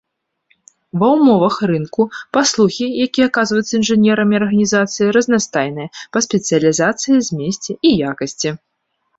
Ва ўмовах рынку, паслугі, якія аказваюцца інжынернымі арганізацыямі разнастайныя па спецыялізацыі, змесце і якасці.